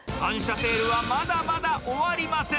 セールはまだまだ終わりません。